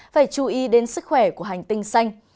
phải chú ý đến sức khỏe của hành tinh xanh